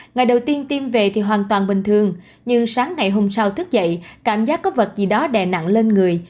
ngày đầu tiên tiêm về thì hoàn toàn bình thường nhưng sáng ngày hôm sau thức dậy cảm giác có vật gì đó đè nặng lên người